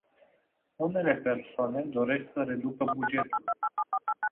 Unele persoane doresc să reducă bugetul.